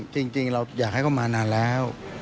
จริงเราอยากให้เขามานานแล้ว